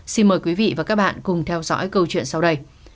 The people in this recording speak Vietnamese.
xin mời quý vị và các bạn cùng theo dõi câu chuyện sau đây